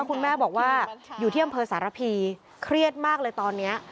คุณแม่บอกว่าอยู่ที่อำเภอสารพีเครียดมากเลยตอนนี้